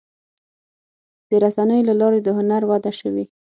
د رسنیو له لارې د هنر وده شوې.